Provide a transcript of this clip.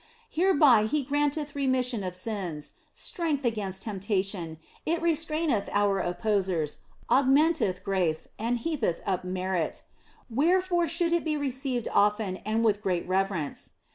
Hereby He granteth remission of sins, strength against temptation, it restraineth our opposers, augmenteth grace, and heapeth up merit ; wherefore should it be received often and with great reverence.